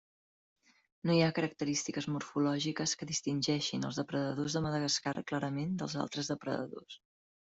No hi ha característiques morfològiques que distingeixin els depredadors de Madagascar clarament dels altres depredadors.